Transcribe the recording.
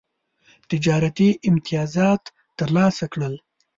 تجارتي امتیازات ترلاسه کړل.